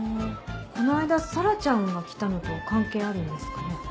この間紗良ちゃんが来たのと関係あるんですかね。